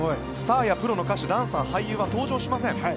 スターやプロの歌手、ダンサー俳優は登場しません。